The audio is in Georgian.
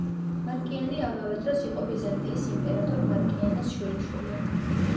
მარკიანე, ამავე დროს, იყო ბიზანტიის იმპერატორ მარკიანეს შვილიშვილი.